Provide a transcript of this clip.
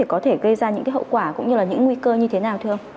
có thể gây ra những hậu quả cũng như là những nguy cơ như thế nào thưa ông